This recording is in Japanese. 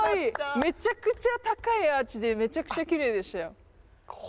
めちゃくちゃ高いアーチでめちゃくちゃきれいでしたよ。